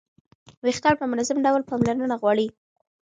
ویښتان په منظم ډول پاملرنه غواړي.